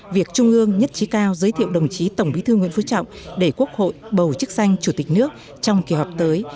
việc trung ương nhất trí cao giới thiệu đồng chí tổng bí thư nguyễn phú trọng để quốc hội bầu chức sanh chủ tịch nước trong kỳ họp tới